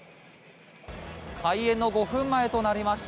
開演の５分前となりました。